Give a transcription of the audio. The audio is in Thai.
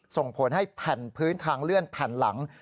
ส่งผลให้แผ่นพื้นทางเลื่อนแผ่นหลัง